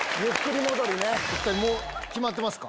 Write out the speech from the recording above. お２人決まってますか？